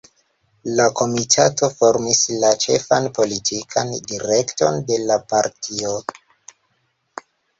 La Komitato formis la ĉefan politikan direkton de la partio.